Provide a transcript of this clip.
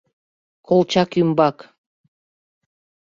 КОЛЧАК ӰМБАК